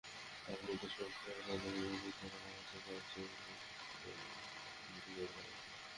আর বৃদ্ধরা সংখ্যায় যাদের জীবিত রাখা হচ্ছে, তাদের চেয়ে অধিক হবে না।